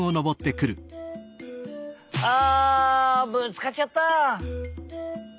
ああぶつかっちゃった。